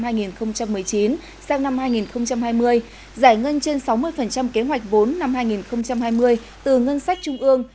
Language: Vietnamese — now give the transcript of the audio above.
sang năm hai nghìn hai mươi giải ngân trên sáu mươi kế hoạch vốn năm hai nghìn hai mươi từ ngân sách trung ương